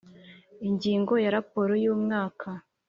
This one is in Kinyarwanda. Ingingo ya Raporo y umwaka